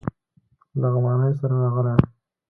لغمانی سره راغلی یم.